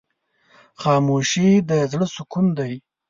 خاموشي، د زړه سکون دی.